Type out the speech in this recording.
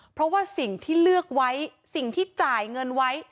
เพราะว่าสิ่งที่เลือกไว้สิ่งที่จ่ายเงินไว้